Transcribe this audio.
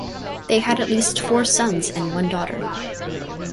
They had at least four sons and one daughter.